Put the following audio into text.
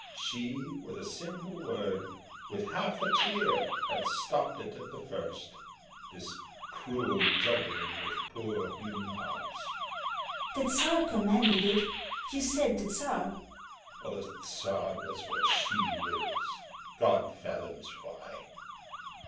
She, with a single word, With half a tear, had stopt it at the first, This cruel juggling with poor human hearts. SHE. The Tsar commanded it you said the Tsar. HE. The Tsar does what she wills God fathoms why.